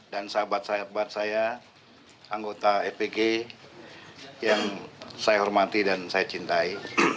dan sahabat sahabat saya anggota epg yang saya hormati dan saya cintai